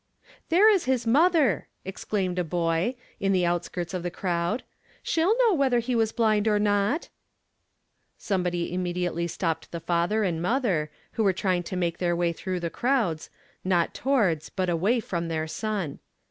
" There is his mother I " excLaimed a boy, in the outskirts of the crowd. " She'll know whether he was blind or not." Somebody immediately stopped the father and mother, who were trying to make their way through the crowds, not towards but away from their son.